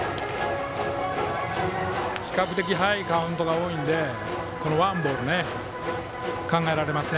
比較的早いカウントが多いのでこのワンボール、考えられますね。